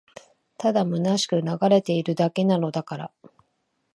ただ空しく流れているだけなのだから